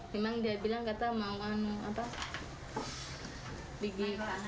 memang dia bilang kata mau pergi